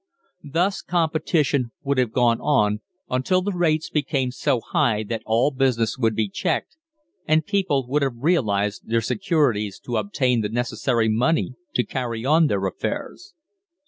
Thus competition would have gone on until the rates became so high that all business would be checked, and people would have realised their securities to obtain the necessary money to carry on their affairs.